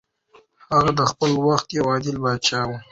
هغه د خپل وخت یو عادل پاچا و.